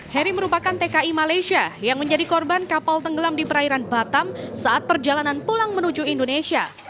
heri merupakan tki malaysia yang menjadi korban kapal tenggelam di perairan batam saat perjalanan pulang menuju indonesia